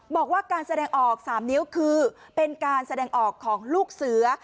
บอกว่าการแสดงออก๓นิ้วคือเป็นการแสดงออกของลูกเสือ